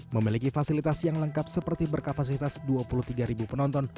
memiliki fasilitas yang lengkap seperti berkapasitas dua puluh tiga penonton